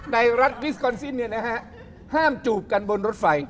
ในรัฐวิสคอนซินเนี่ยนะฮะห้ามจูบกันบนรถไฟ